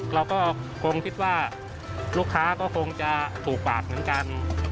เราก็คงคิดว่าลูกค้าก็คงจะถูกปากเหมือนกัน